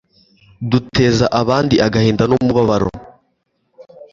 duteza abandi agahinda n'umubabaro